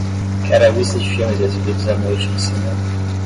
Quero a lista de filmes exibidos à noite no cinema